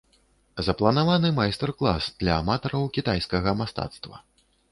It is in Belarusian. Запланаваны майстар-клас для аматараў кітайскага мастацтва.